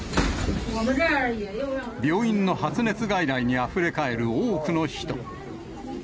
病院の発熱外来にあふれ返る多くの人。